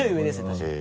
確かに。